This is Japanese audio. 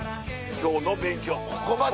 今日の勉強はここまで！